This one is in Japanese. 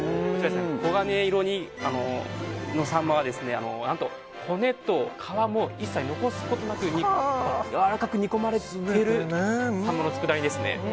黄金色のサンマは何と、骨と皮も一切残すことなくやわらかく煮込まれているサンマのつくだ煮ですね。